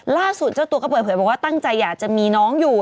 ล่าสุดเจ้าตัวก็บอกว่าตั้งใจอยากจะมีน้องอยู่